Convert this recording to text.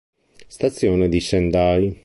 Stazione di Sendai